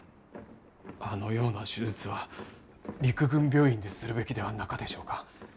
あのような手術は陸軍病院でするべきではなかでしょうか？